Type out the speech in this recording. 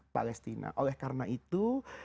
palestina oleh karena itu